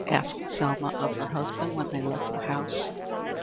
asked Selma of her husband when they left the house.